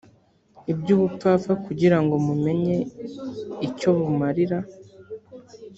iby ubupfapfa kugira ngo menye icyo bumarira